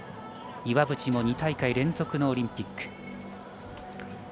岩渕も２大会連続のオリンピック。